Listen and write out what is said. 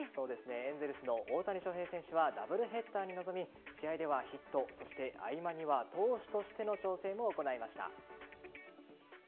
エンゼルスの大谷翔平選手はダブルヘッダーに臨み試合ではヒットそして合間には投手としての調整も行いました。